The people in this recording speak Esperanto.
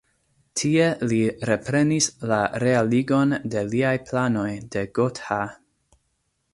Tie li reprenis la realigon de liaj planoj de Gotha.